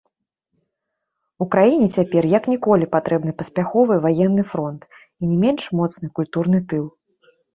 Украіне цяпер як ніколі патрэбны паспяховы ваенны фронт і не менш моцны культурны тыл.